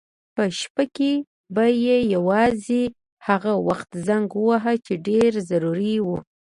په شپه کې به یې یوازې هغه وخت زنګ واهه چې ډېر ضروري و.